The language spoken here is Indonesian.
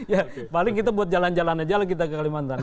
ya paling kita buat jalan jalan aja lah kita ke kalimantan